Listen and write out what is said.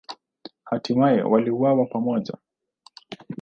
Hatimaye waliuawa pamoja.